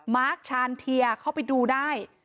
มาร์คชาญเทียเข้าไปดูได้